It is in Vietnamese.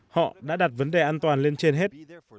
họ đã đặt vấn đề an toàn lên trên hết